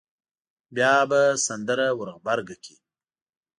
بیا به سندره ور غبرګه کړي.